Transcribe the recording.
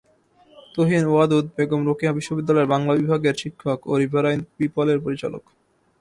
তুহিন ওয়াদুদ বেগম রোকেয়া বিশ্ববিদ্যালয়ের বাংলা বিভাগের শিক্ষক ও রিভারাইন পিপলের পরিচালক